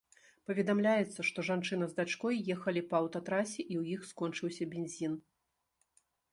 Паведамляецца, што жанчына з дачкой ехалі па аўтатрасе, і ў іх скончыўся бензін.